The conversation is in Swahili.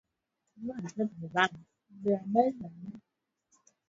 na mengine yalipanda mita themanini kwa urahisi